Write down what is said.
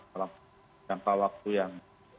dalam jangka waktu yang